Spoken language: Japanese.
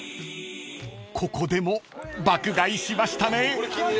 ［ここでも爆買いしましたね］